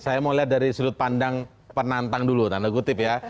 saya mau lihat dari sudut pandang penantang dulu tanda kutip ya